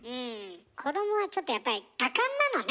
子どもはちょっとやっぱり多感なのね。